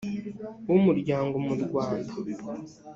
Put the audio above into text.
w umuryango mu rwanda